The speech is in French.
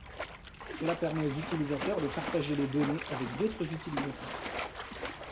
Cela permet aux utilisateurs de partager les données avec d'autres utilisateurs.